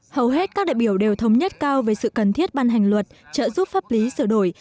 hầu hết các đại biểu đều thống nhất cao về sự cần thiết ban hành luật trợ giúp pháp lý sửa đổi